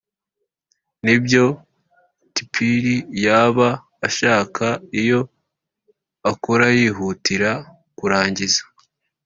ni byo tpir yaba ishaka iyo ikora yihutira kurangiza